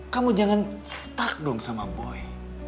kamu jangan stuck dong sama boy